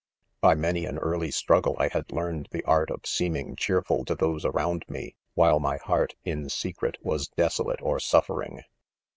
By many an early struggle I had learn ed the art of seeming cheerful to those around me, while my .heart, in secret, was desolate or suffering.